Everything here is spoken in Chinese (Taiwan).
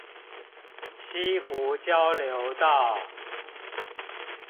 溪湖交流道